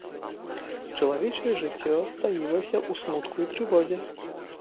Чалавечае жыццё стаілася ў смутку і трывозе.